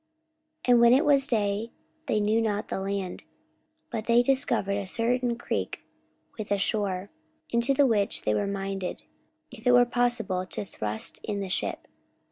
44:027:039 And when it was day, they knew not the land: but they discovered a certain creek with a shore, into the which they were minded, if it were possible, to thrust in the ship.